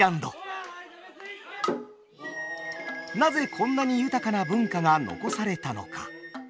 なぜこんなに豊かな文化が残されたのか？